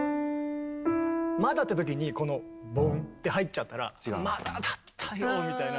まだって時にこのボンって入っちゃったらまだだったのみたいな。